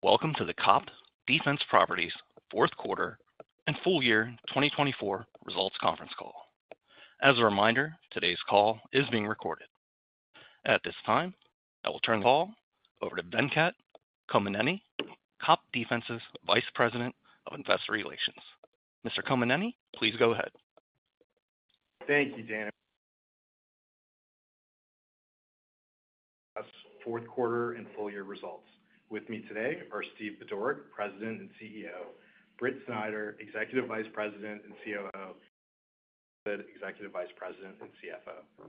Welcome to the COPT Defense Properties fourth quarter and full year 2024 results conference call. As a reminder, today's call is being recorded. At this time, I will turn the call over to Venkat Kommineni, COPT Defense's Vice President of Investor Relations. Mr. Kommineni, please go ahead. Thank you, Daniel. COPT's Fourth Quarter and Full Year Results. With me today are Steve Budorick, President and CEO, Britt Snider, Executive Vice President and COO, and Anthony Mifsud, Executive Vice President and CFO.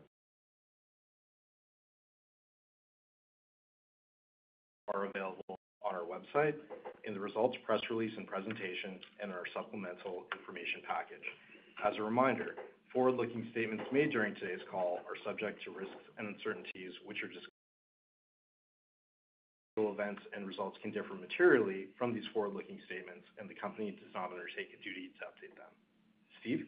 They are available on our website, in the results press release and presentation, and in our supplemental information package. As a reminder, forward-looking statements made during today's call are subject to risks and uncertainties, which are discussed in our filings, and results can differ materially from these forward-looking statements, and the company does not undertake a duty to update them. Steve?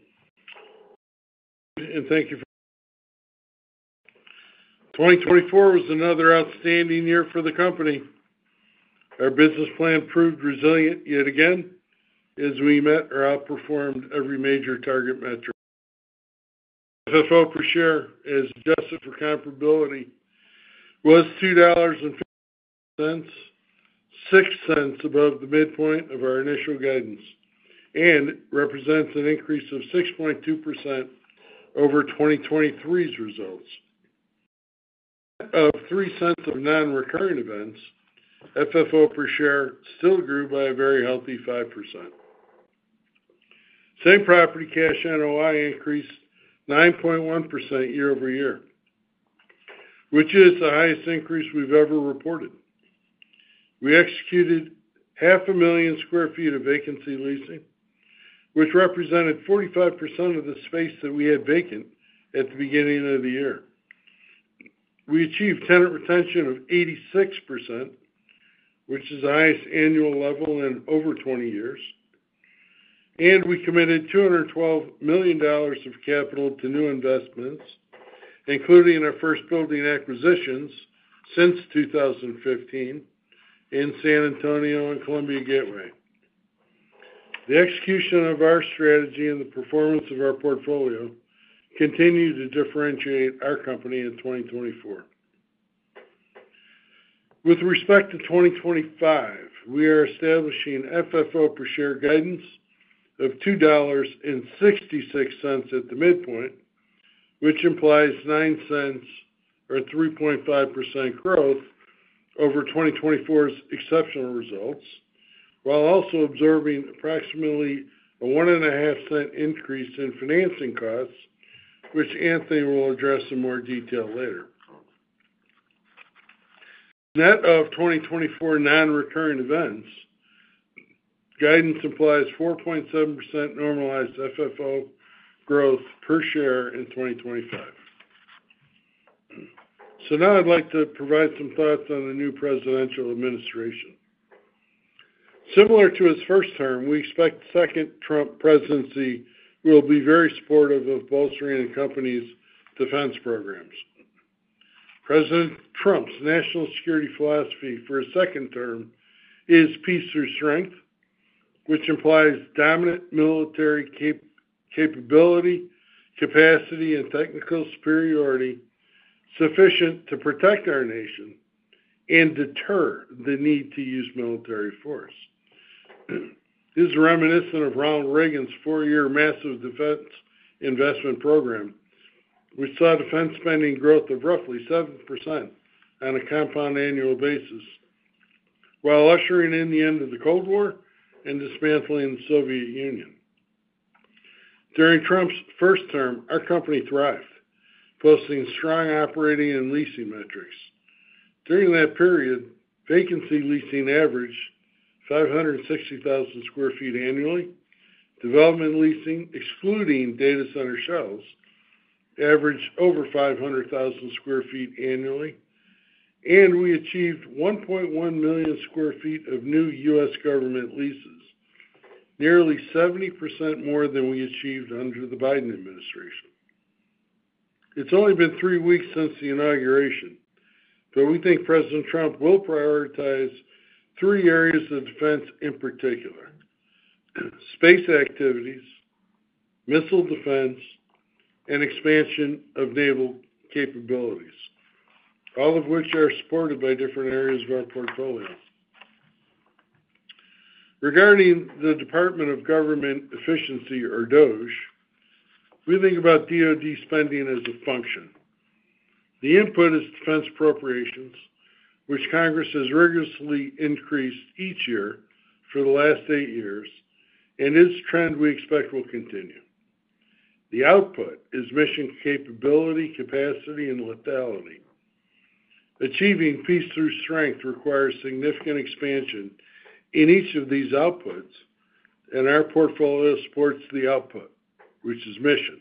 2024 was another outstanding year for the company. Our business plan proved resilient yet again as we met or outperformed every major target metric. FFO per share, as adjusted for comparability, was $2.50, $0.06 above the midpoint of our initial guidance, and represents an increase of 6.2% over 2023's results. Out of $0.03 of non-recurring events, FFO per share still grew by a very healthy 5%. Same Property cash NOI increased 9.1% year over year, which is the highest increase we've ever reported. We executed 500,000 square feet of vacancy leasing, which represented 45% of the space that we had vacant at the beginning of the year. We achieved tenant retention of 86%, which is the highest annual level in over 20 years, and we committed $212 million of capital to new investments, including our first building acquisitions since 2015 in San Antonio and Columbia Gateway. The execution of our strategy and the performance of our portfolio continue to differentiate our company in 2024. With respect to 2025, we are establishing FFO per share guidance of $2.66 at the midpoint, which implies $0.09 or 3.5% growth over 2024's exceptional results, while also observing approximately a $0.015 increase in financing costs, which Anthony will address in more detail later. Net of 2024 non-recurring events, guidance implies 4.7% normalized FFO growth per share in 2025, so now I'd like to provide some thoughts on the new presidential administration. Similar to his first term, we expect the second Trump presidency will be very supportive of bolstering the company's defense programs. President Trump's national security philosophy for his second term is peace through strength, which implies dominant military capability, capacity, and technical superiority sufficient to protect our nation and deter the need to use military force. This is reminiscent of Ronald Reagan's four-year massive defense investment program, which saw defense spending growth of roughly 7% on a compound annual basis, while ushering in the end of the Cold War and dismantling the Soviet Union. During Trump's first term, our company thrived, posting strong operating and leasing metrics. During that period, vacancy leasing averaged 560,000 square feet annually. Development leasing, excluding data center shells, averaged over 500,000 square feet annually, and we achieved 1.1 million square feet of new U.S. government leases, nearly 70% more than we achieved under the Biden administration. It's only been three weeks since the inauguration, but we think President Trump will prioritize three areas of defense in particular: space activities, missile defense, and expansion of naval capabilities, all of which are supported by different areas of our portfolio. Regarding the Department of Government Efficiency, or DOGE, we think about DOD spending as a function. The input is defense appropriations, which Congress has rigorously increased each year for the last eight years, and this trend we expect will continue. The output is mission capability, capacity, and lethality. Achieving peace through strength requires significant expansion in each of these outputs, and our portfolio supports the output, which is mission.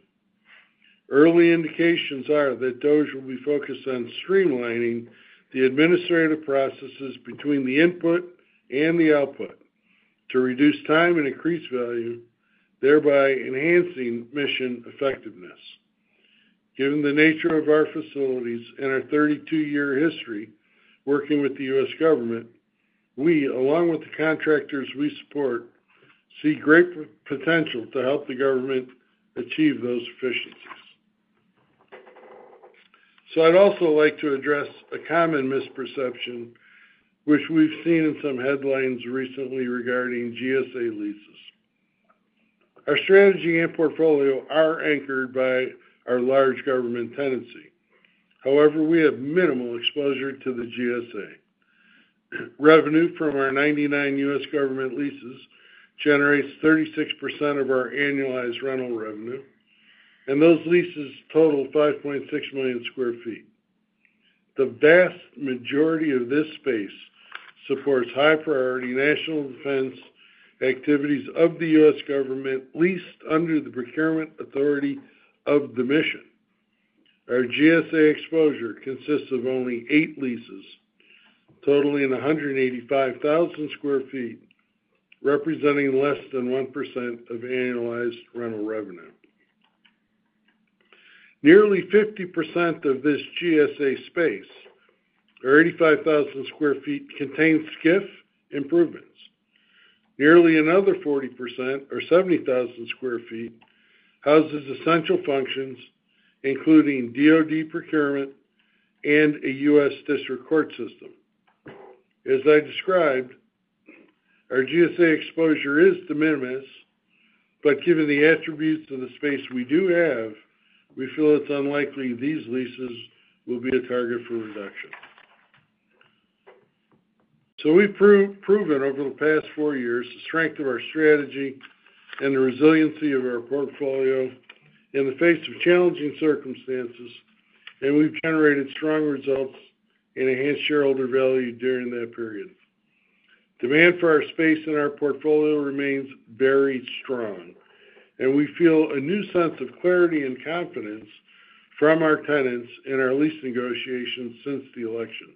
Early indications are that DOGE will be focused on streamlining the administrative processes between the input and the output to reduce time and increase value, thereby enhancing mission effectiveness. Given the nature of our facilities and our 32-year history working with the U.S. government, we, along with the contractors we support, see great potential to help the government achieve those efficiencies. So I'd also like to address a common misperception, which we've seen in some headlines recently regarding GSA leases. Our strategy and portfolio are anchored by our large government tenancy; however, we have minimal exposure to the GSA. Revenue from our 99 U.S. government leases generates 36% of our annualized rental revenue, and those leases total 5.6 million square feet. The vast majority of this space supports high-priority national defense activities of the U.S. government leased under the procurement authority of the mission. Our GSA exposure consists of only eight leases, totaling 185,000 square feet, representing less than 1% of annualized rental revenue. Nearly 50% of this GSA space, or 85,000 square feet, contains SCIF improvements. Nearly another 40%, or 70,000 square feet, houses essential functions, including DOD procurement and a U.S. district court system. As I described, our GSA exposure is de minimis, but given the attributes of the space we do have, we feel it's unlikely these leases will be a target for reduction. So we've proven over the past four years the strength of our strategy and the resiliency of our portfolio in the face of challenging circumstances, and we've generated strong results and enhanced shareholder value during that period. Demand for our space and our portfolio remains very strong, and we feel a new sense of clarity and confidence from our tenants in our lease negotiations since the election.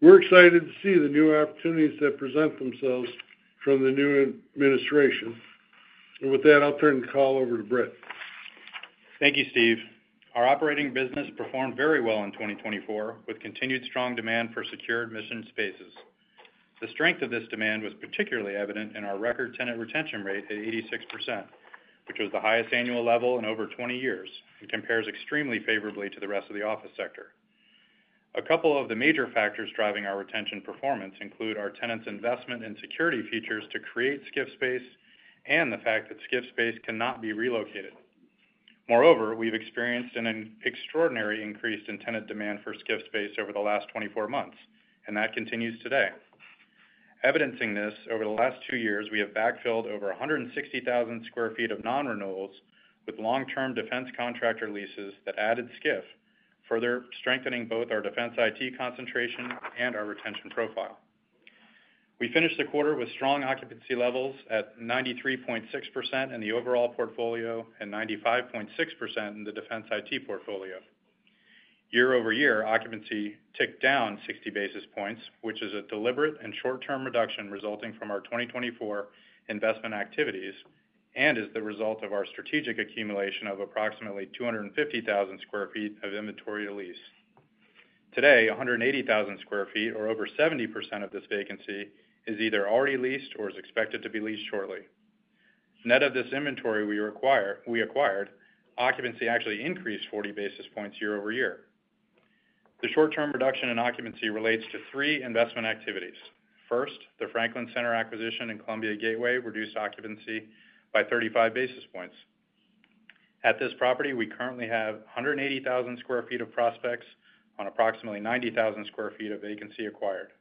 We're excited to see the new opportunities that present themselves from the new administration, and with that, I'll turn the call over to Britt. Thank you, Steve. Our operating business performed very well in 2024, with continued strong demand for secured mission spaces. The strength of this demand was particularly evident in our record tenant retention rate at 86%, which was the highest annual level in over 20 years and compares extremely favorably to the rest of the office sector. A couple of the major factors driving our retention performance include our tenants' investment and security features to create SCIF space and the fact that SCIF space cannot be relocated. Moreover, we've experienced an extraordinary increase in tenant demand for SCIF space over the last 24 months, and that continues today. Evidencing this, over the last two years, we have backfilled over 160,000 square feet of non-renewals with long-term defense contractor leases that added SCIF, further strengthening both our Defense IT concentration and our retention profile. We finished the quarter with strong occupancy levels at 93.6% in the overall portfolio and 95.6% in the defense IT portfolio. Year over year, occupancy ticked down 60 basis points, which is a deliberate and short-term reduction resulting from our 2024 investment activities and is the result of our strategic accumulation of approximately 250,000 square feet of inventory to lease. Today, 180,000 square feet, or over 70% of this vacancy, is either already leased or is expected to be leased shortly. Net of this inventory we acquired, occupancy actually increased 40 basis points year over year. The short-term reduction in occupancy relates to three investment activities. First, the Franklin Center acquisition in Columbia Gateway reduced occupancy by 35 basis points. At this property, we currently have 180,000 square feet of prospects on approximately 90,000 square feet of vacancy acquired.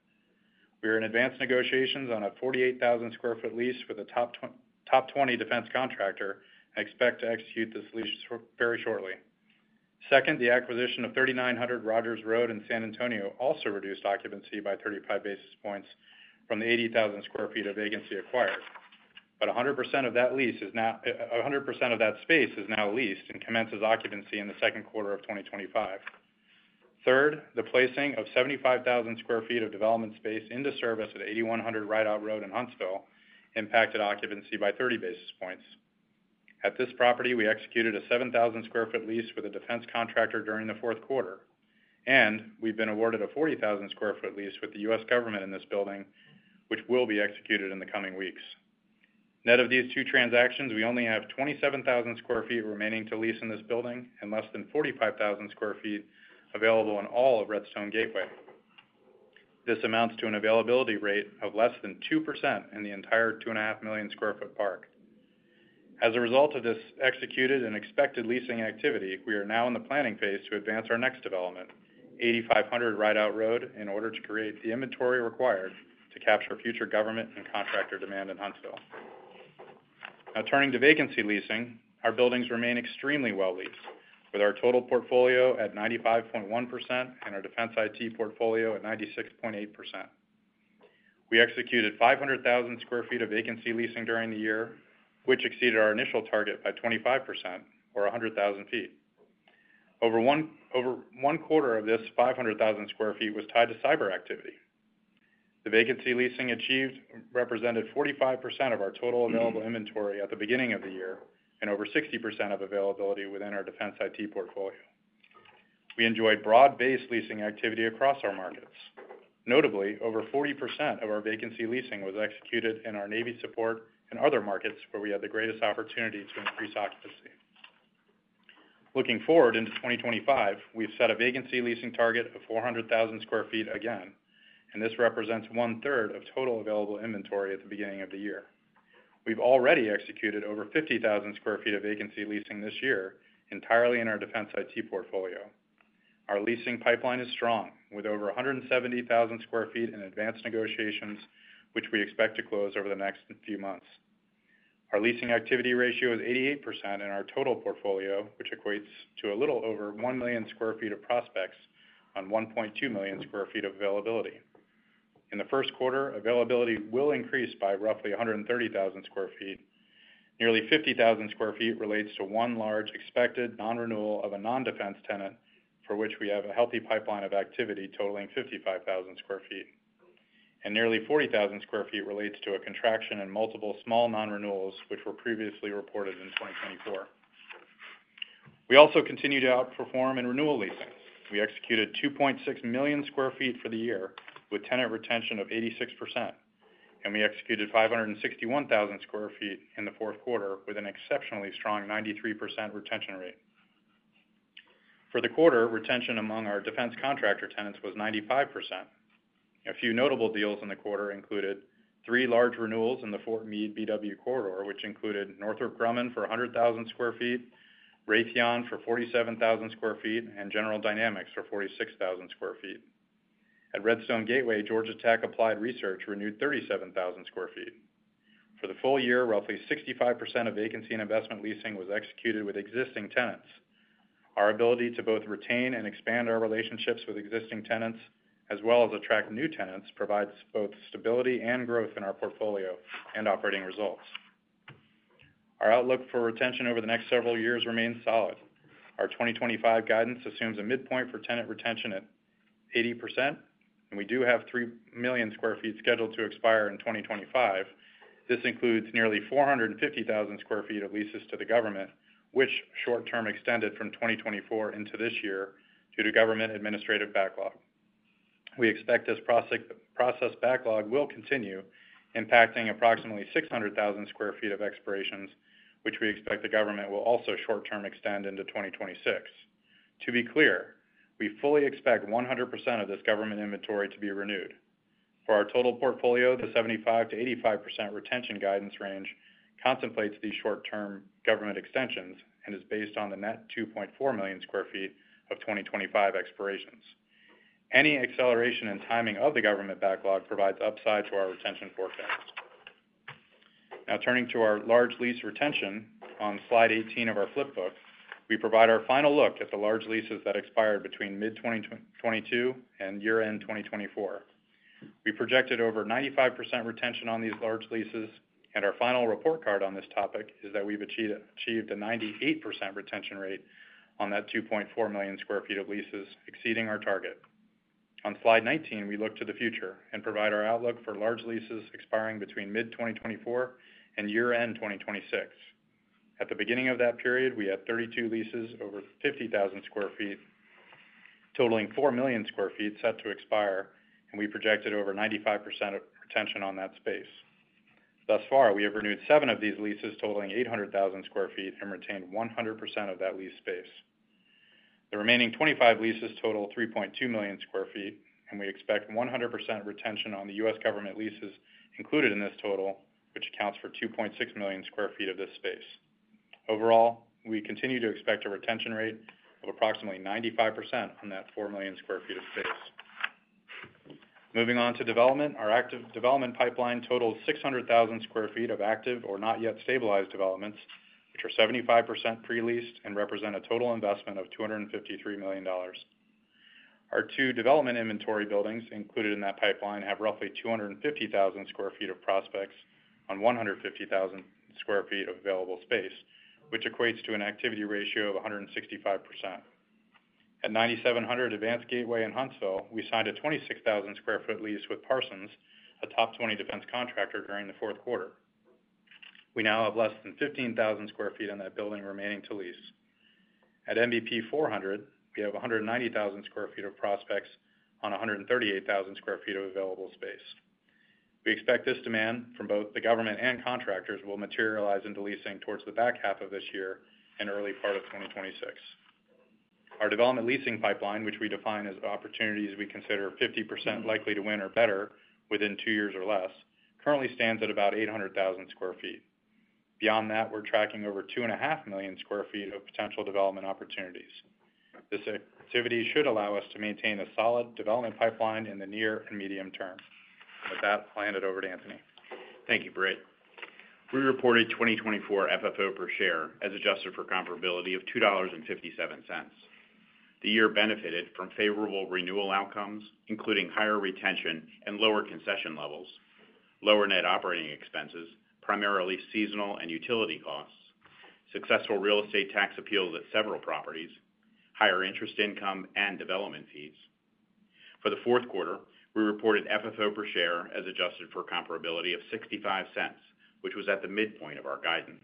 We are in advanced negotiations on a 48,000 square feet lease with a top 20 defense contractor and expect to execute this lease very shortly. Second, the acquisition of 3900 Rogers Road in San Antonio also reduced occupancy by 35 basis points from the 80,000 square feet of vacancy acquired. But 100% of that lease is now, 100% of that space is now leased and commences occupancy in the second quarter of 2025. Third, the placing of 75,000 square feet of development space into service at 8100 Rideout Road in Huntsville impacted occupancy by 30 basis points. At this property, we executed a 7,000 square feet lease with a defense contractor during the fourth quarter, and we've been awarded a 40,000 square feet lease with the U.S. government in this building, which will be executed in the coming weeks. Net of these two transactions, we only have 27,000 square feet remaining to lease in this building and less than 45,000 square feet available in all of Redstone Gateway. This amounts to an availability rate of less than 2% in the entire 2.5 million square feet park. As a result of this executed and expected leasing activity, we are now in the planning phase to advance our next development, 8500 Rideout Road, in order to create the inventory required to capture future government and contractor demand in Huntsville. Now, turning to vacancy leasing, our buildings remain extremely well leased, with our total portfolio at 95.1% and our Defense IT portfolio at 96.8%. We executed 500,000 square feet of vacancy leasing during the year, which exceeded our initial target by 25%, or 100,000 square feet. Over one quarter of this 500,000 square feet was tied to cyber activity. The vacancy leasing achieved represented 45% of our total available inventory at the beginning of the year and over 60% of availability within our Defense IT portfolio. We enjoyed broad-based leasing activity across our markets. Notably, over 40% of our vacancy leasing was executed in our Navy support and other markets where we had the greatest opportunity to increase occupancy. Looking forward into 2025, we've set a vacancy leasing target of 400,000 square feet again, and this represents one-third of total available inventory at the beginning of the year. We've already executed over 50,000 square feet of vacancy leasing this year entirely in our Defense IT portfolio. Our leasing pipeline is strong, with over 170,000 square feet in advanced negotiations, which we expect to close over the next few months. Our leasing activity ratio is 88% in our total portfolio, which equates to a little over 1 million square feet of prospects on 1.2 million square feet of availability. In the first quarter, availability will increase by roughly 130,000 square feet. Nearly 50,000 square feet relates to one large expected non-renewal of a non-defense tenant, for which we have a healthy pipeline of activity totaling 55,000 square feet, and nearly 40,000 square feet relates to a contraction in multiple small non-renewals, which were previously reported in 2024. We also continued to outperform in renewal leasing. We executed 2.6 million square feet for the year, with tenant retention of 86%, and we executed 561,000 square feet in the fourth quarter, with an exceptionally strong 93% retention rate. For the quarter, retention among our defense contractor tenants was 95%. A few notable deals in the quarter included three large renewals in the Fort Meade/B-W corridor, which included Northrop Grumman for 100,000 square feet, Raytheon for 47,000 square feet, and General Dynamics for 46,000 square feet. At Redstone Gateway, Georgia Tech Applied Research renewed 37,000 square feet. For the full year, roughly 65% of vacancy and investment leasing was executed with existing tenants. Our ability to both retain and expand our relationships with existing tenants, as well as attract new tenants, provides both stability and growth in our portfolio and operating results. Our outlook for retention over the next several years remains solid. Our 2025 guidance assumes a midpoint for tenant retention at 80%, and we do have 3 million square feet scheduled to expire in 2025. This includes nearly 450,000 square feet of leases to the government, which short-term extended from 2024 into this year due to government administrative backlog. We expect this process backlog will continue impacting approximately 600,000 square feet of expirations, which we expect the government will also short-term extend into 2026. To be clear, we fully expect 100% of this government inventory to be renewed. For our total portfolio, the 75%-85% retention guidance range contemplates these short-term government extensions and is based on the net 2.4 million square feet of 2025 expirations. Any acceleration in timing of the government backlog provides upside to our retention forecast. Now, turning to our large lease retention on slide 18 of our flipbook, we provide our final look at the large leases that expired between mid-2022 and year-end 2024. We projected over 95% retention on these large leases, and our final report card on this topic is that we've achieved a 98% retention rate on that 2.4 million square feet of leases, exceeding our target. On slide 19, we look to the future and provide our outlook for large leases expiring between mid-2024 and year-end 2026. At the beginning of that period, we had 32 leases over 50,000 square feet, totaling 4 million square feet set to expire, and we projected over 95% retention on that space. Thus far, we have renewed seven of these leases totaling 800,000 square feet and retained 100% of that lease space. The remaining 25 leases total 3.2 million square feet, and we expect 100% retention on the U.S. government leases included in this total, which accounts for 2.6 million square feet of this space. Overall, we continue to expect a retention rate of approximately 95% on that 4 million square feet of space. Moving on to development, our active development pipeline totals 600,000 square feet of active or not yet stabilized developments, which are 75% pre-leased and represent a total investment of $253 million. Our two development inventory buildings included in that pipeline have roughly 250,000 square feet of prospects on 150,000 square feet of available space, which equates to an activity ratio of 165%. At 9700 Redstone Gateway in Huntsville, we signed a 26,000 square feet lease with Parsons, a top 20 defense contractor, during the fourth quarter. We now have less than 15,000 square feet in that building remaining to lease. At MVP 400, we have 190,000 square feet of prospects on 138,000 square feet of available space. We expect this demand from both the government and contractors will materialize into leasing towards the back half of this year and early part of 2026. Our development leasing pipeline, which we define as opportunities we consider 50% likely to win or better within two years or less, currently stands at about 800,000 square feet. Beyond that, we're tracking over 2.5 million square feet of potential development opportunities. This activity should allow us to maintain a solid development pipeline in the near and medium term. With that, I'll hand it over to Anthony. Thank you, Britt. We reported 2024 FFO per share as adjusted for comparability of $2.57. The year benefited from favorable renewal outcomes, including higher retention and lower concession levels, lower net operating expenses, primarily seasonal and utility costs, successful real estate tax appeals at several properties, higher interest income, and development fees. For the fourth quarter, we reported FFO per share as adjusted for comparability of $0.65, which was at the midpoint of our guidance.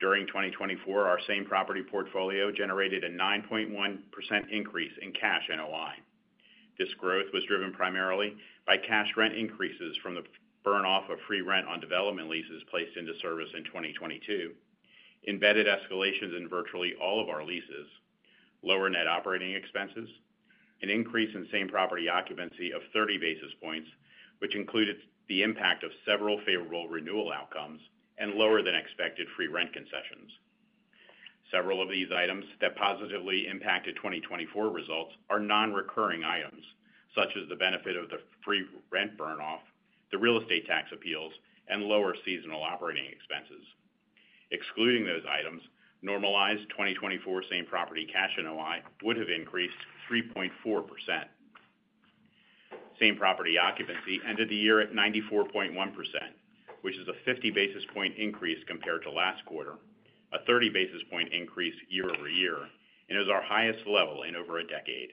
During 2024, our Same Property portfolio generated a 9.1% increase in cash NOI. This growth was driven primarily by cash rent increases from the burn-off of free rent on development leases placed into service in 2022, embedded escalations in virtually all of our leases, lower net operating expenses, an increase in Same Property occupancy of 30 basis points, which included the impact of several favorable renewal outcomes and lower-than-expected free rent concessions. Several of these items that positively impacted 2024 results are non-recurring items, such as the benefit of the free rent burn-off, the real estate tax appeals, and lower seasonal operating expenses. Excluding those items, normalized 2024 Same Property cash NOI would have increased 3.4%. Same Property occupancy ended the year at 94.1%, which is a 50 basis point increase compared to last quarter, a 30 basis point increase year over year, and is our highest level in over a decade.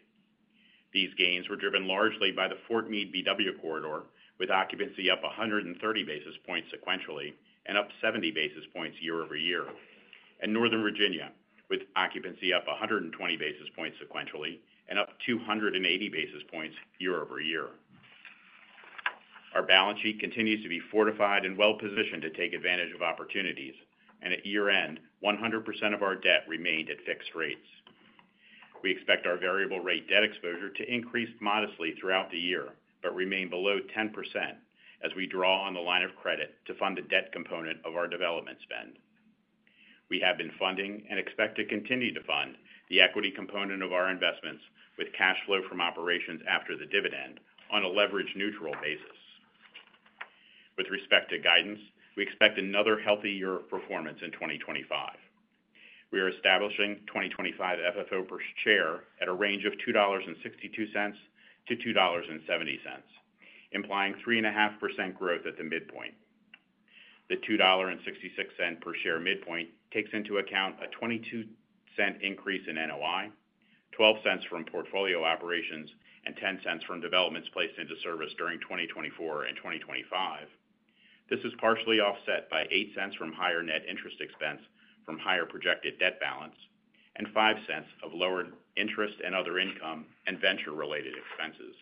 These gains were driven largely by the Fort Meade/B-W corridor, with occupancy up 130 basis points sequentially and up 70 basis points year over year, and Northern Virginia, with occupancy up 120 basis points sequentially and up 280 basis points year over year. Our balance sheet continues to be fortified and well-positioned to take advantage of opportunities, and at year-end, 100% of our debt remained at fixed rates. We expect our variable-rate debt exposure to increase modestly throughout the year but remain below 10% as we draw on the line of credit to fund the debt component of our development spend. We have been funding and expect to continue to fund the equity component of our investments with cash flow from operations after the dividend on a leveraged neutral basis. With respect to guidance, we expect another healthy year of performance in 2025. We are establishing 2025 FFO per share at a range of $2.62-$2.70, implying 3.5% growth at the midpoint. The $2.66 per share midpoint takes into account a $0.22 increase in NOI, $0.12 from portfolio operations, and $0.10 from developments placed into service during 2024 and 2025. This is partially offset by $0.08 from higher net interest expense from higher projected debt balance and $0.05 of lower interest and other income and venture-related expenses.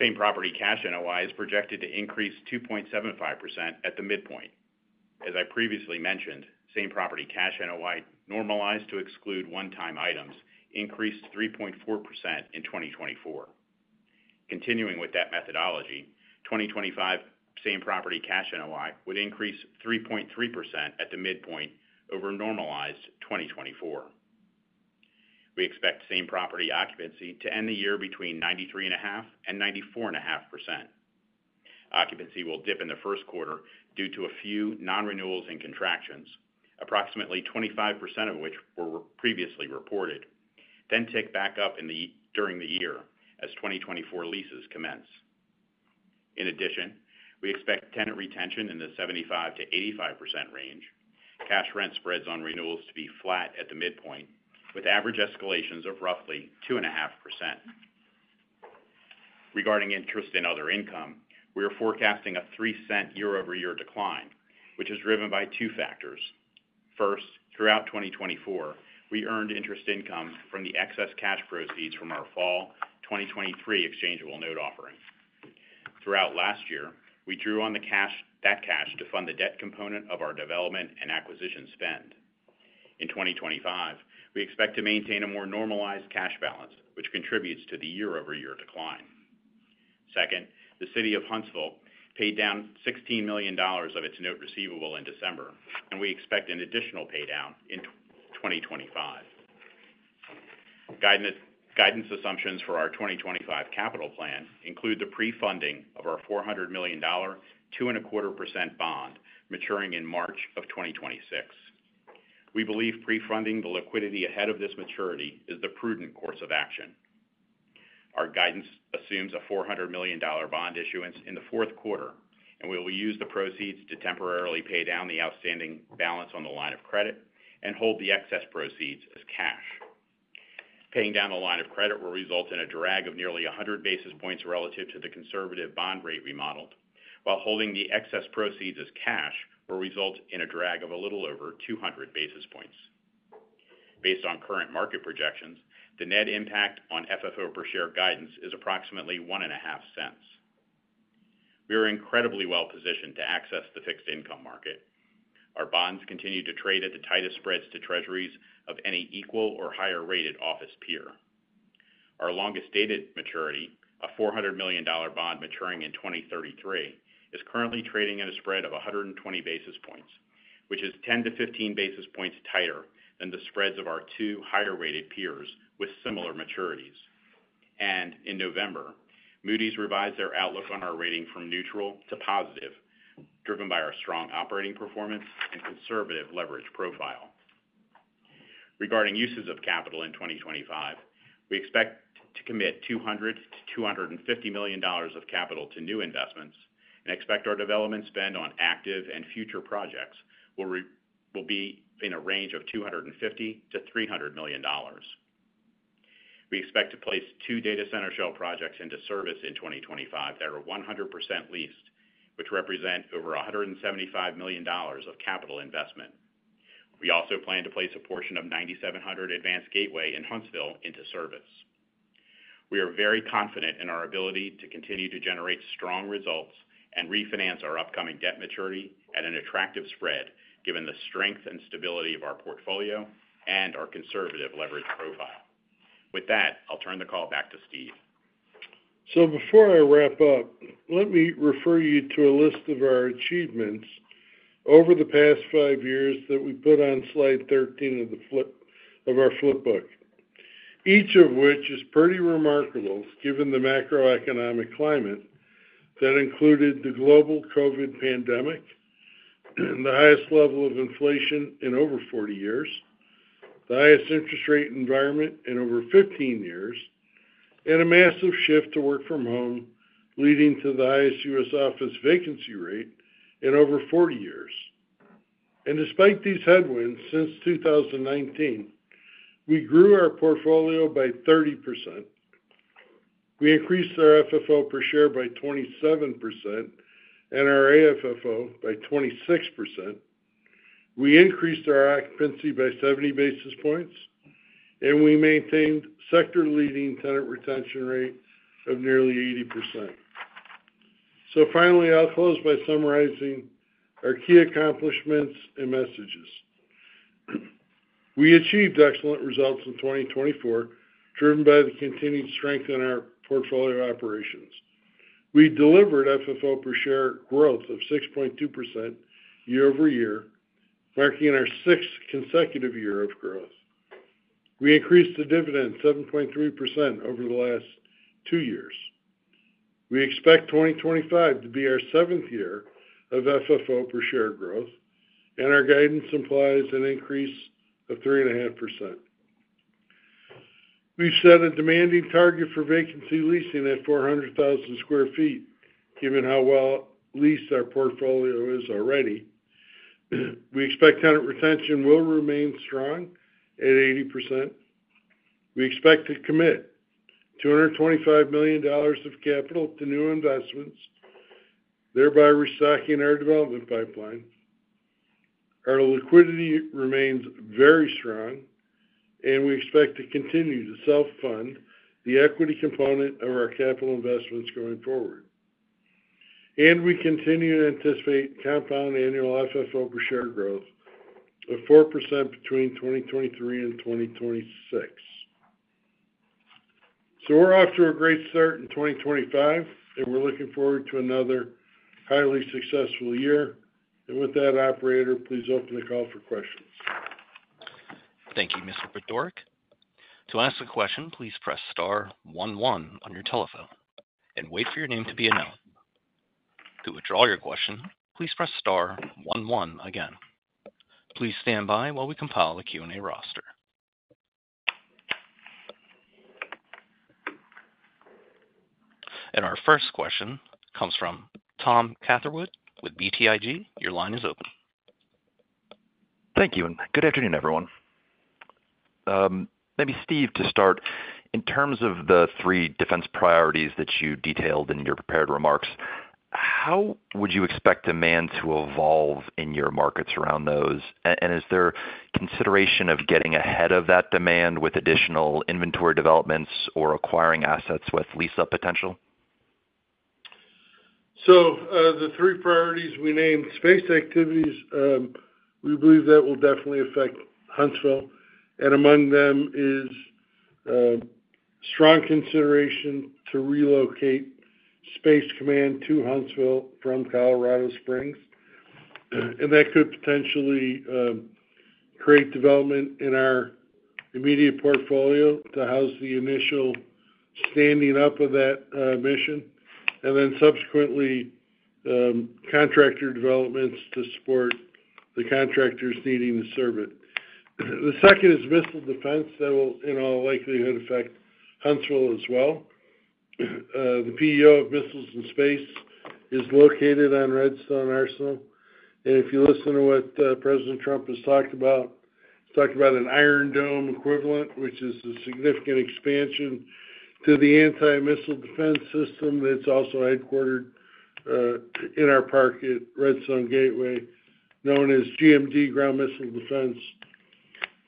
Same Property cash NOI is projected to increase 2.75% at the midpoint. As I previously mentioned, Same Property cash NOI normalized to exclude one-time items increased 3.4% in 2024. Continuing with that methodology, 2025 Same Property cash NOI would increase 3.3% at the midpoint over normalized 2024. We expect Same Property occupancy to end the year between 93.5% and 94.5%. Occupancy will dip in the first quarter due to a few non-renewals and contractions, approximately 25% of which were previously reported, then tick back up during the year as 2024 leases commence. In addition, we expect tenant retention in the 75% to 85% range, cash rent spreads on renewals to be flat at the midpoint, with average escalations of roughly 2.5%. Regarding interest and other income, we are forecasting a $0.03 year-over-year decline, which is driven by two factors. First, throughout 2024, we earned interest income from the excess cash proceeds from our fall 2023 exchangeable note offering. Throughout last year, we drew on that cash to fund the debt component of our development and acquisition spend. In 2025, we expect to maintain a more normalized cash balance, which contributes to the year-over-year decline. Second, the City of Huntsville paid down $16 million of its note receivable in December, and we expect an additional paydown in 2025. Guidance assumptions for our 2025 capital plan include the pre-funding of our $400 million 2.25% bond maturing in March of 2026. We believe pre-funding the liquidity ahead of this maturity is the prudent course of action. Our guidance assumes a $400 million bond issuance in the fourth quarter, and we will use the proceeds to temporarily pay down the outstanding balance on the line of credit and hold the excess proceeds as cash. Paying down the line of credit will result in a drag of nearly 100 basis points relative to the conservative bond rate remodeled, while holding the excess proceeds as cash will result in a drag of a little over 200 basis points. Based on current market projections, the net impact on FFO per share guidance is approximately $0.015. We are incredibly well-positioned to access the fixed income market. Our bonds continue to trade at the tightest spreads to Treasuries of any equal or higher-rated office peer. Our longest dated maturity, a $400 million bond maturing in 2033, is currently trading at a spread of 120 basis points, which is 10-15 basis points tighter than the spreads of our two higher-rated peers with similar maturities. In November, Moody's revised their outlook on our rating from neutral to positive, driven by our strong operating performance and conservative leverage profile. Regarding uses of capital in 2025, we expect to commit $200-$250 million of capital to new investments and expect our development spend on active and future projects will be in a range of $250-$300 million. We expect to place two data center shell projects into service in 2025 that are 100% leased, which represent over $175 million of capital investment. We also plan to place a portion of 9700 Redstone Gateway in Huntsville into service. We are very confident in our ability to continue to generate strong results and refinance our upcoming debt maturity at an attractive spread, given the strength and stability of our portfolio and our conservative leverage profile. With that, I'll turn the call back to Steve. So before I wrap up, let me refer you to a list of our achievements over the past five years that we put on slide 13 of our flipbook, each of which is pretty remarkable given the macroeconomic climate that included the global COVID pandemic, the highest level of inflation in over 40 years, the highest interest rate environment in over 15 years, and a massive shift to work from home leading to the highest U.S. office vacancy rate in over 40 years. And despite these headwinds since 2019, we grew our portfolio by 30%. We increased our FFO per share by 27% and our AFFO by 26%. We increased our occupancy by 70 basis points, and we maintained sector-leading tenant retention rate of nearly 80%. So finally, I'll close by summarizing our key accomplishments and messages. We achieved excellent results in 2024, driven by the continued strength in our portfolio operations. We delivered FFO per share growth of 6.2% year-over-year, marking our sixth consecutive year of growth. We increased the dividend 7.3% over the last two years. We expect 2025 to be our seventh year of FFO per share growth, and our guidance implies an increase of 3.5%. We've set a demanding target for vacancy leasing at 400,000 square feet, given how well leased our portfolio is already. We expect tenant retention will remain strong at 80%. We expect to commit $225 million of capital to new investments, thereby restocking our development pipeline. Our liquidity remains very strong, and we expect to continue to self-fund the equity component of our capital investments going forward. We continue to anticipate compound annual FFO per share growth of 4% between 2023 and 2026. We're off to a great start in 2025, and we're looking forward to another highly successful year. With that, operator, please open the call for questions. Thank you, Mr. Budorick. To ask a question, please press star 11 on your telephone and wait for your name to be announced. To withdraw your question, please press star 11 again. Please stand by while we compile the Q&A roster. And our first question comes from Tom Cartwright with BTIG. Your line is open. Thank you, and good afternoon, everyone. Maybe Steve to start. In terms of the three defense priorities that you detailed in your prepared remarks, how would you expect demand to evolve in your markets around those? And is there consideration of getting ahead of that demand with additional inventory developments or acquiring assets with lease-up potential? So the three priorities we named: space activities. We believe that will definitely affect Huntsville. And among them is strong consideration to relocate Space Command to Huntsville from Colorado Springs. And that could potentially create development in our immediate portfolio to house the initial standing up of that mission, and then subsequently contractor developments to support the contractors needing to serve it. The second is missile defense that will, in all likelihood, affect Huntsville as well. The PEO Missiles and Space is located on Redstone Arsenal. And if you listen to what President Trump has talked about, he's talked about an Iron Dome equivalent, which is a significant expansion to the anti-missile defense system that's also headquartered in our park at Redstone Gateway, known as GMD Ground-based Midcourse Defense.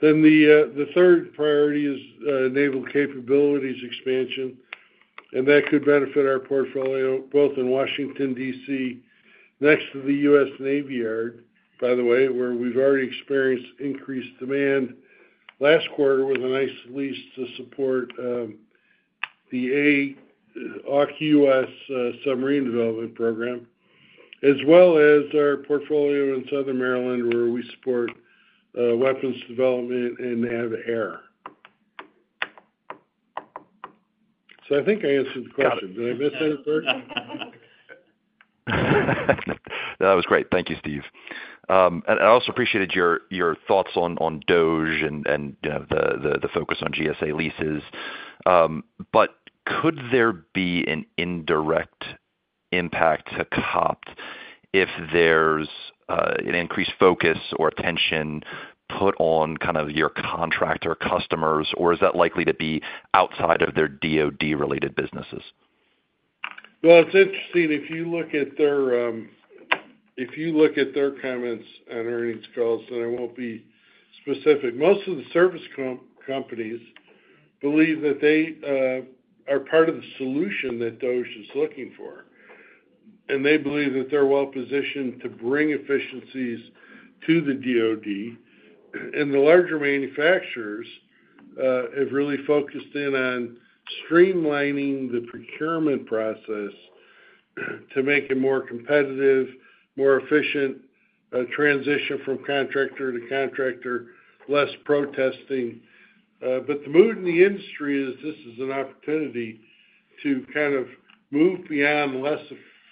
Then the third priority is naval capabilities expansion, and that could benefit our portfolio both in Washington, D.C., next to the U.S. Navy Yard, by the way, where we've already experienced increased demand last quarter with a nice lease to support the AUKUS Submarine Development Program, as well as our portfolio in Southern Maryland, where we support weapons development and NAVAIR. So I think I answered the question. Did I miss anything? No, that was great. Thank you, Steve. And I also appreciated your thoughts on DOGE and the focus on GSA leases. But could there be an indirect impact to COPT if there's an increased focus or attention put on kind of your contractor customers, or is that likely to be outside of their DOD-related businesses? It's interesting. If you look at their comments on earnings calls, and I won't be specific, most of the service companies believe that they are part of the solution that DOGE is looking for. And they believe that they're well-positioned to bring efficiencies to the DOD. And the larger manufacturers have really focused in on streamlining the procurement process to make a more competitive, more efficient transition from contractor to contractor, less protesting. But the mood in the industry is this is an opportunity to kind of move beyond less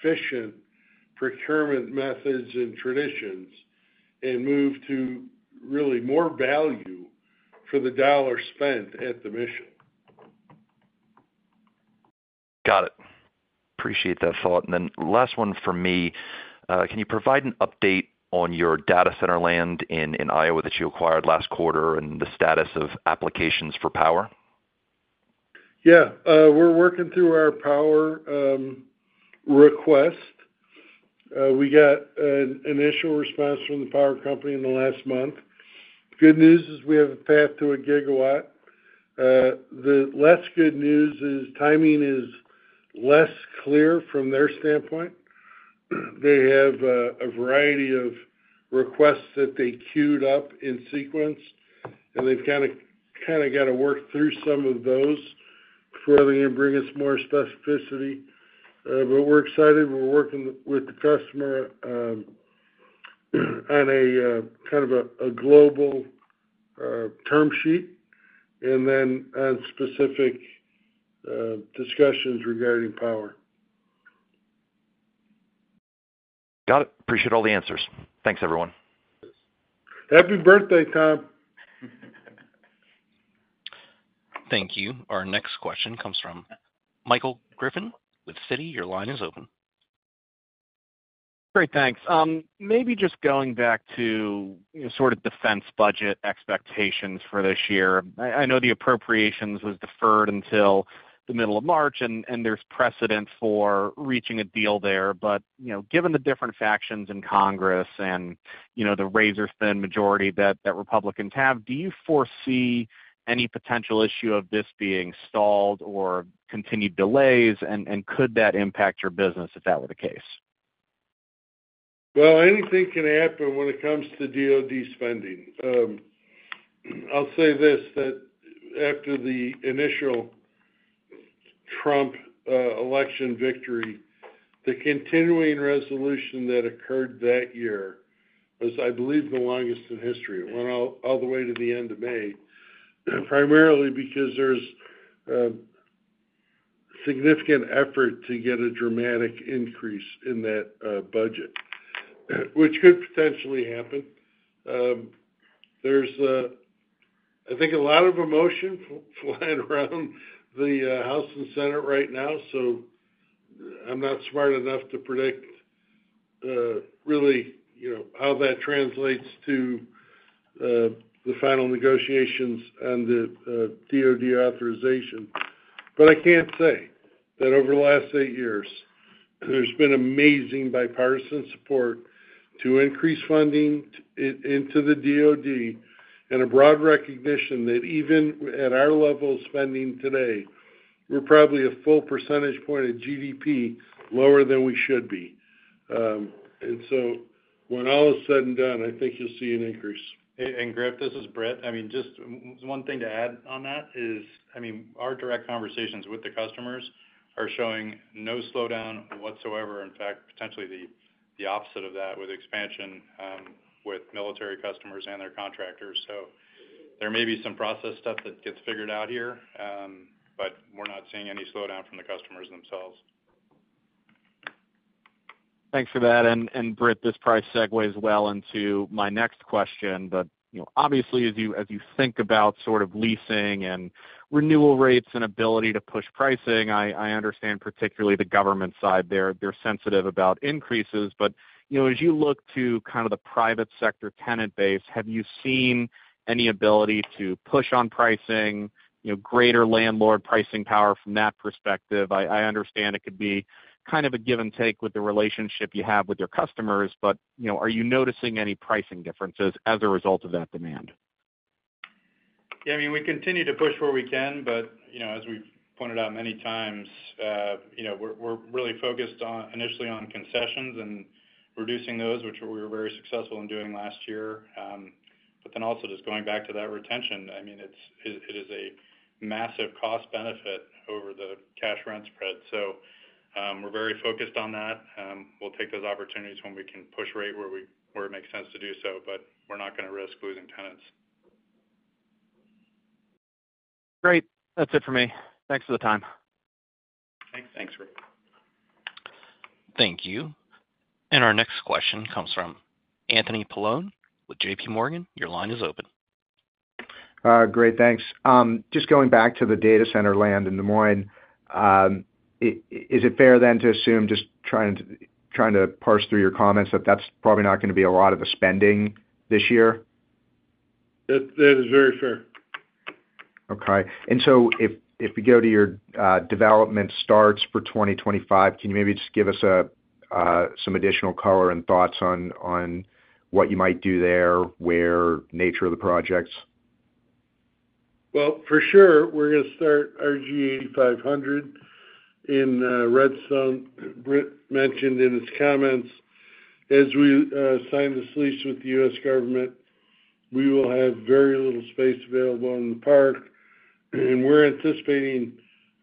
efficient procurement methods and traditions and move to really more value for the dollar spent at the mission. Got it. Appreciate that thought. And then last one for me, can you provide an update on your data center land in Iowa that you acquired last quarter and the status of applications for power? Yeah. We're working through our power request. We got an initial response from the power company in the last month. Good news is we have a path to a gigawatt. The less good news is timing is less clear from their standpoint. They have a variety of requests that they queued up in sequence, and they've kind of got to work through some of those before they can bring us more specificity. But we're excited. We're working with the customer on kind of a global term sheet and then on specific discussions regarding power. Got it. Appreciate all the answers. Thanks, everyone. Happy birthday, Tom. Thank you. Our next question comes from Michael Griffin with Citi. Your line is open. Great. Thanks. Maybe just going back to sort of defense budget expectations for this year. I know the appropriations was deferred until the middle of March, and there's precedent for reaching a deal there. But given the different factions in Congress and the razor-thin majority that Republicans have, do you foresee any potential issue of this being stalled or continued delays, and could that impact your business if that were the case? Anything can happen when it comes to DOD spending. I'll say this: after the initial Trump election victory, the continuing resolution that occurred that year was, I believe, the longest in history. It went all the way to the end of May, primarily because there's significant effort to get a dramatic increase in that budget, which could potentially happen. There's, I think, a lot of emotion flying around the House and Senate right now, so I'm not smart enough to predict really how that translates to the final negotiations and the DOD authorization. But I can't say that over the last eight years, there's been amazing bipartisan support to increase funding into the DOD and a broad recognition that even at our level of spending today, we're probably a full percentage point of GDP lower than we should be. When all is said and done, I think you'll see an increase. Griff, this is Britt. I mean, just one thing to add on that is, I mean, our direct conversations with the customers are showing no slowdown whatsoever. In fact, potentially the opposite of that with expansion with military customers and their contractors. So there may be some process stuff that gets figured out here, but we're not seeing any slowdown from the customers themselves. Thanks for that. And Britt, this probably segues well into my next question. But obviously, as you think about sort of leasing and renewal rates and ability to push pricing, I understand particularly the government side there. They're sensitive about increases. But as you look to kind of the private sector tenant base, have you seen any ability to push on pricing, greater landlord pricing power from that perspective? I understand it could be kind of a give and take with the relationship you have with your customers, but are you noticing any pricing differences as a result of that demand? Yeah. I mean, we continue to push where we can, but as we've pointed out many times, we're really focused initially on concessions and reducing those, which we were very successful in doing last year, but then also just going back to that retention. I mean, it is a massive cost benefit over the cash rent spread, so we're very focused on that. We'll take those opportunities when we can push rate where it makes sense to do so, but we're not going to risk losing tenants. Great. That's it for me. Thanks for the time. Thanks. Thanks, Griff. Thank you. And our next question comes from Anthony Paolone with J.P. Morgan. Your line is open. Great. Thanks. Just going back to the data center land in Des Moines, is it fair then to assume, just trying to parse through your comments, that that's probably not going to be a lot of the spending this year? That is very fair. Okay, and so if we go to your development starts for 2025, can you maybe just give us some additional color and thoughts on what you might do there, the nature of the projects? For sure, we're going to start RG 8500 in Redstone. Britt mentioned in his comments, as we sign this lease with the U.S. government, we will have very little space available in the park. We're anticipating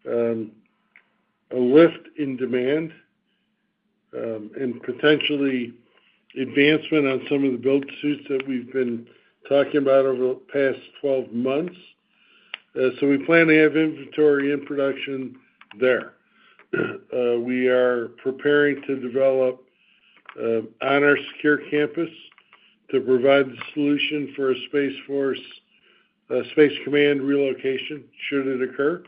a lift in demand and potentially advancement on some of the build-to-suits that we've been talking about over the past 12 months. We plan to have inventory in production there. We are preparing to develop on our secure campus to provide the solution for a Space Force/Space Command relocation should it occur.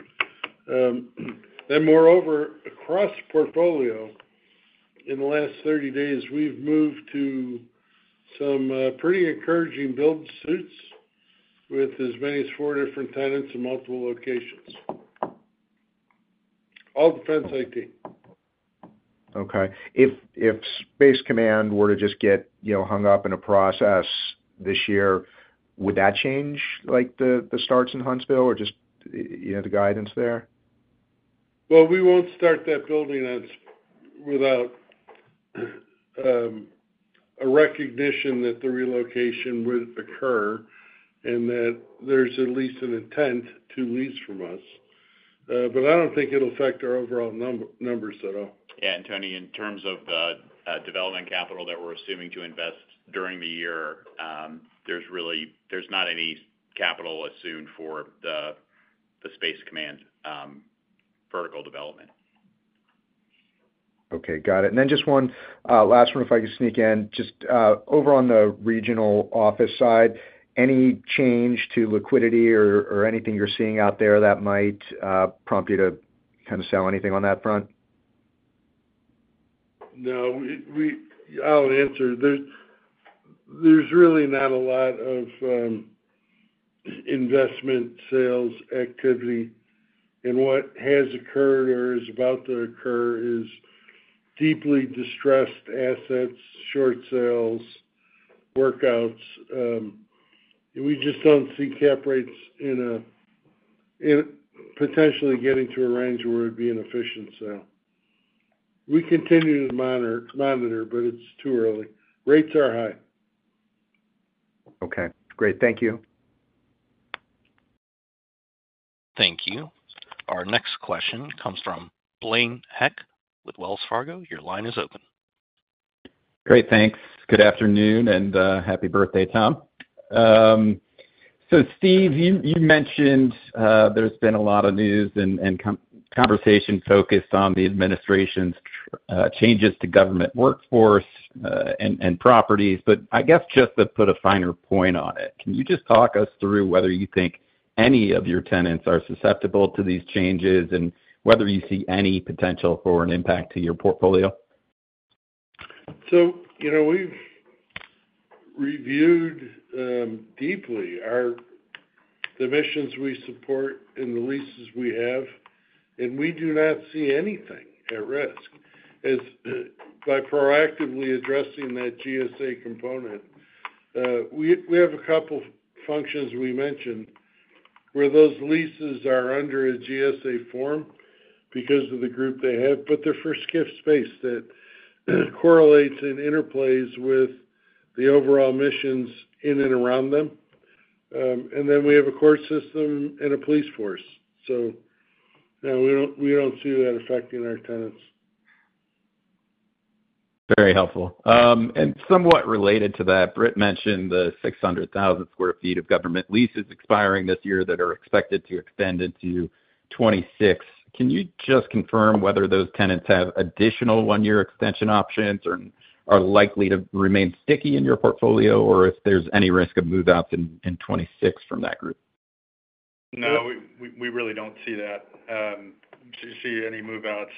Moreover, across the portfolio, in the last 30 days, we've moved to some pretty encouraging build-to-suits with as many as four different tenants in multiple locations. All defense IT. Okay. If Space Command were to just get hung up in a process this year, would that change the starts in Huntsville or just the guidance there? We won't start that building without a recognition that the relocation would occur and that there's at least an intent to lease from us. But I don't think it'll affect our overall numbers at all. Yeah, and Tony, in terms of the development capital that we're assuming to invest during the year, there's not any capital assumed for the Space Command vertical development. Okay. Got it. And then just one last one, if I could sneak in. Just over on the regional office side, any change to liquidity or anything you're seeing out there that might prompt you to kind of sell anything on that front? No. I'll answer. There's really not a lot of investment sales activity, and what has occurred or is about to occur is deeply distressed assets, short sales, workouts. We just don't see cap rates potentially getting to a range where it would be an efficient sale. We continue to monitor, but it's too early. Rates are high. Okay. Great. Thank you. Thank you. Our next question comes from Blaine Heck with Wells Fargo. Your line is open. Great. Thanks. Good afternoon and happy birthday, Tom. So Steve, you mentioned there's been a lot of news and conversation focused on the administration's changes to government workforce and properties. But I guess just to put a finer point on it, can you just talk us through whether you think any of your tenants are susceptible to these changes and whether you see any potential for an impact to your portfolio? So we've reviewed deeply the missions we support and the leases we have, and we do not see anything at risk. By proactively addressing that GSA component, we have a couple of functions we mentioned where those leases are under a GSA form because of the group they have, but they're for SCIF space that correlates and interplays with the overall missions in and around them. And then we have a court system and a police force. So we don't see that affecting our tenants. Very helpful. And somewhat related to that, Britt mentioned the 600,000 square feet of government leases expiring this year that are expected to extend into 2026. Can you just confirm whether those tenants have additional one-year extension options or are likely to remain sticky in your portfolio, or if there's any risk of move-outs in 2026 from that group? No, we really don't see that. We don't see any move-outs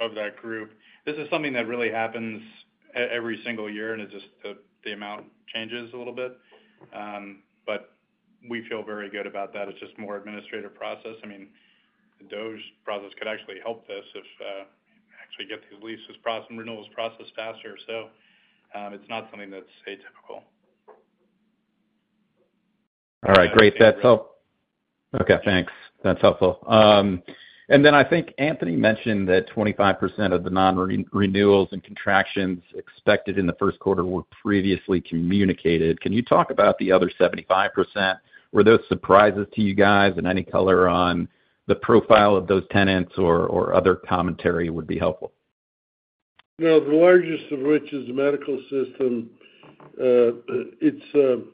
of that group. This is something that really happens every single year, and it's just the amount changes a little bit. But we feel very good about that. It's just more administrative process. I mean, the DOGE process could actually help us if we actually get these leases and renewals processed faster. So it's not something that's atypical. All right. Great. Okay. Thanks. That's helpful. And then I think Anthony mentioned that 25% of the non-renewals and contractions expected in the first quarter were previously communicated. Can you talk about the other 75%? Were those surprises to you guys? And any color on the profile of those tenants or other commentary would be helpful. The largest of which is the medical system. It's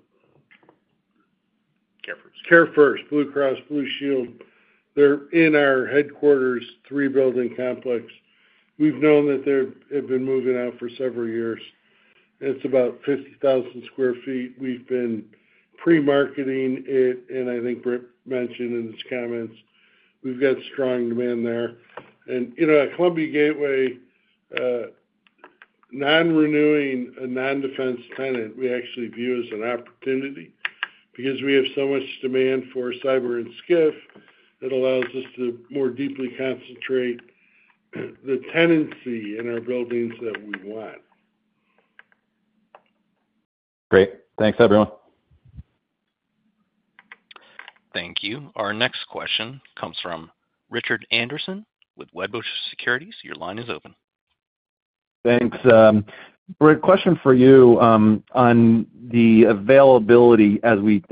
CareFirst BlueCross BlueShield. They're in our headquarters, three-building complex. We've known that they have been moving out for several years. It's about 50,000 square feet. We've been pre-marketing it, and I think Britt mentioned in his comments, we've got strong demand there. At Columbia Gateway, non-renewing a non-defense tenant, we actually view as an opportunity because we have so much demand for cyber and SCIF. It allows us to more deeply concentrate the tenancy in our buildings that we want. Great. Thanks, everyone. Thank you. Our next question comes from Richard Anderson with Wedbush Securities. Your line is open. Thanks. Britt, question for you on the availability, as we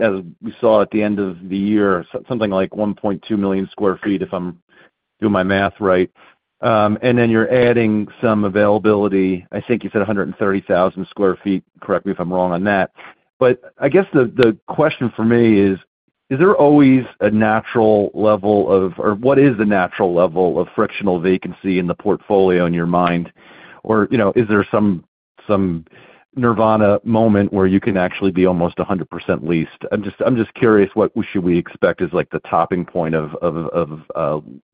saw at the end of the year, something like 1.2 million square feet, if I'm doing my math right. And then you're adding some availability. I think you said 130,000 square feet. Correct me if I'm wrong on that. But I guess the question for me is, is there always a natural level of, or what is the natural level of frictional vacancy in the portfolio in your mind? Or is there some nirvana moment where you can actually be almost 100% leased? I'm just curious, what should we expect as the tipping point of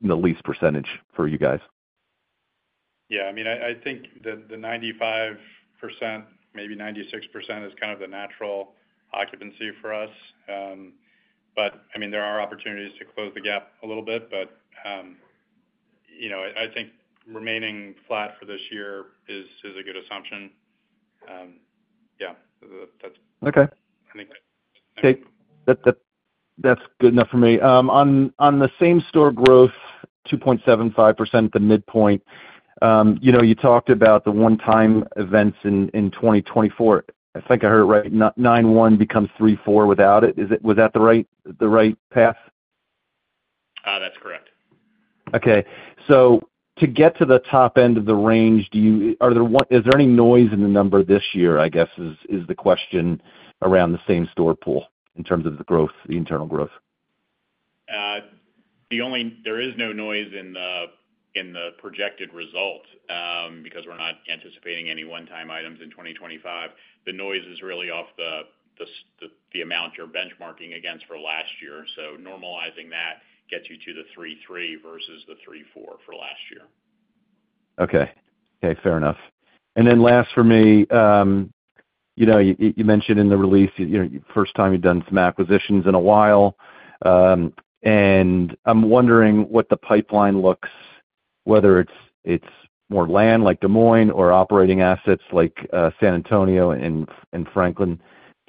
the lease percentage for you guys? Yeah. I mean, I think the 95%, maybe 96%, is kind of the natural occupancy for us, but I mean, there are opportunities to close the gap a little bit, but I think remaining flat for this year is a good assumption. Yeah. That's good. Okay. That's good enough for me. On the same store growth, 2.75%, the midpoint, you talked about the one-time events in 2024. I think I heard it right. 9.1% becomes 3.4% without it. Was that the right path? That's correct. Okay. So to get to the top end of the range, is there any noise in the number this year, I guess, is the question around the same store pool in terms of the growth, the internal growth? There is no noise in the projected result because we're not anticipating any one-time items in 2025. The noise is really off the amount you're benchmarking against for last year, so normalizing that gets you to the 3-3 versus the 3-4 for last year. Okay. Okay. Fair enough. And then last for me, you mentioned in the release, first time you've done some acquisitions in a while. And I'm wondering what the pipeline looks like, whether it's more land like Des Moines or operating assets like San Antonio and Franklin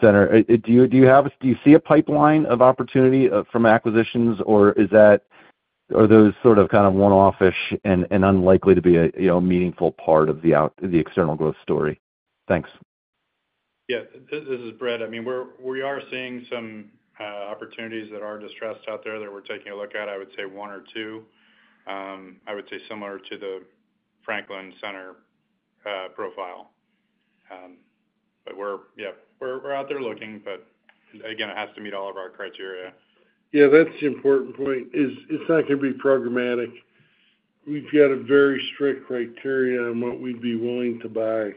Center. Do you see a pipeline of opportunity from acquisitions, or are those sort of kind of one-off-ish and unlikely to be a meaningful part of the external growth story? Thanks. Yeah. This is Britt. I mean, we are seeing some opportunities that are distressed out there that we're taking a look at. I would say one or two, I would say similar to the Franklin Center profile. But yeah, we're out there looking, but again, it has to meet all of our criteria. Yeah. That's the important point. It's not going to be programmatic. We've got a very strict criteria on what we'd be willing to buy.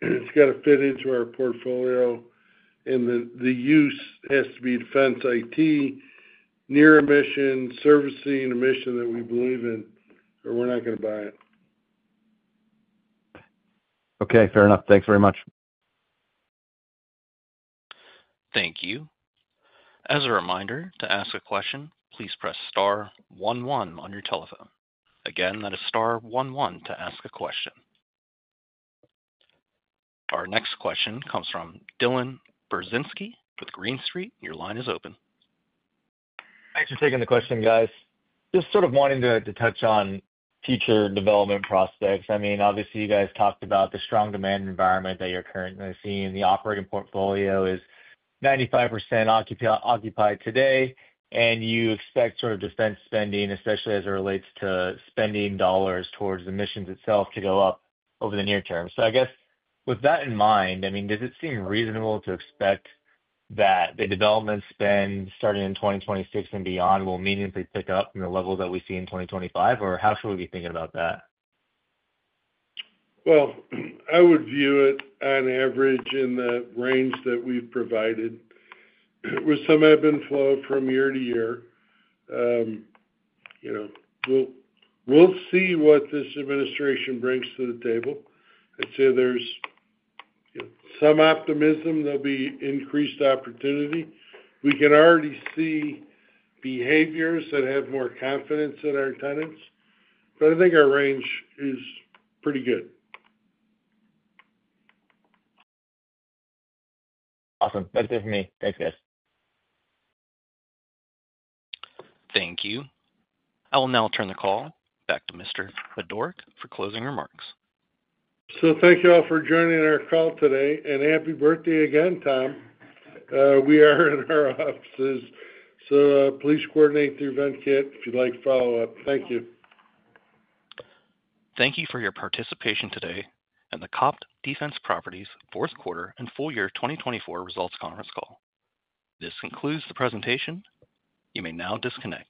It's got to fit into our portfolio, and the use has to be defense IT, near mission, servicing mission that we believe in, or we're not going to buy it. Okay. Fair enough. Thanks very much. Thank you. As a reminder, to ask a question, please press star 1-1 on your telephone. Again, that is star 1-1 to ask a question. Our next question comes from Dylan Burzinski with Green Street. Your line is open. Thanks for taking the question, guys. Just sort of wanting to touch on future development prospects. I mean, obviously, you guys talked about the strong demand environment that you're currently seeing. The operating portfolio is 95% occupied today, and you expect sort of defense spending, especially as it relates to spending dollars towards the missions itself, to go up over the near term. So I guess with that in mind, I mean, does it seem reasonable to expect that the development spend starting in 2026 and beyond will meaningfully pick up from the level that we see in 2025, or how should we be thinking about that? I would view it on average in the range that we've provided with some ebb and flow from year to year. We'll see what this administration brings to the table. I'd say there's some optimism. There'll be increased opportunity. We can already see behaviors that have more confidence in our tenants. But I think our range is pretty good. Awesome. That's it for me. Thanks, guys. Thank you. I will now turn the call back to Mr. Budorick for closing remarks. So thank you all for joining our call today. And happy birthday again, Tom. We are in our offices. So please coordinate through Venkat if you'd like to follow up. Thank you. Thank you for your participation today in the COPT Defense Properties Fourth Quarter and Full Year 2024 Results Conference Call. This concludes the presentation. You may now disconnect.